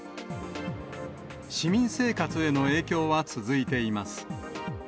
市民生活への影響は続いています。